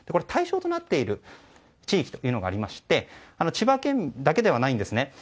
対象となっている地域というのがありまして千葉県民だけではないんです。